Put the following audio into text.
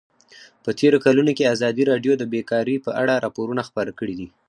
په تېرو کلونو کې ازادي راډیو د بیکاري په اړه راپورونه خپاره کړي دي.